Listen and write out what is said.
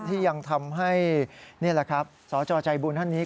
ที่ยังทำให้นี่แหละครับสจใจบุญท่านนี้